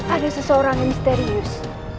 ada seseorang yang misterius